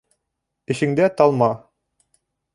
Эшеңдә талма